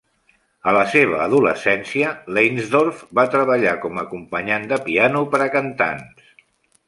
A la seva adolescència, Leinsdorf va treballar com a acompanyant de piano per a cantants.